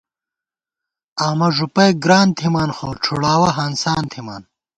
آمہ ݫُپَئیک گران تھِمان خو ڄُھوڑاوَہ ہانسان تھِمان